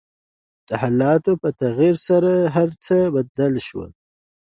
د حالاتو په تغير سره هر څه بدل شول .